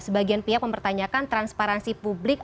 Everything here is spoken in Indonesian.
sebagian pihak mempertanyakan transparansi publik